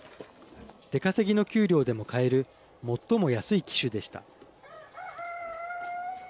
出稼ぎの給料でも買える最も安い機種でした。